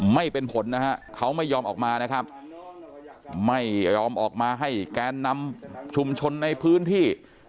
ไม่เป็นผลนะฮะเขาไม่ยอมออกมานะครับไม่ยอมออกมาให้แกนนำชุมชนในพื้นที่